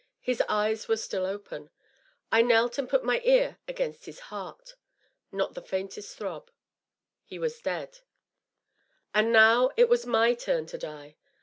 His eyes were still open. I knelt and put my ear against his heart. Not the faintest throb. He was dead. And now it was my turn to die !